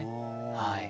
はい。